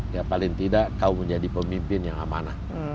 ya paling tidak kau menjadi pemimpin yang amanah